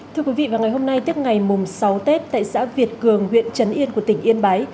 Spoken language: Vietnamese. thưa quý vị vào ngày hôm nay tiếp ngày mùng sáu tết tại xã việt cường huyện trấn yên của tỉnh yên bái